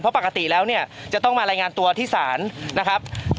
เพราะปกติแล้วเนี่ยจะต้องมารายงานตัวที่ศาลนะครับ